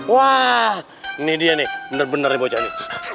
wah ini dia nih bener bener nih bocahnya